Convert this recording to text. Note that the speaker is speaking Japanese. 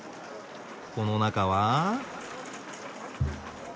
この中は？